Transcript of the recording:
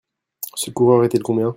Ce coureur était le combien ?